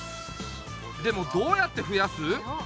でもどうやってふやす？